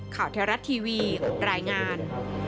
ข่าวเทศรัทย์ทีวีตรายงาน